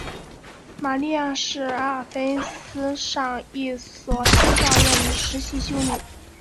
玛莉亚是阿尔卑斯山上一所修道院的实习修女。